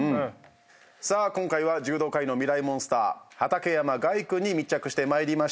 さあ今回は柔道界のミライ☆モンスター畠山凱君に密着してまいりました。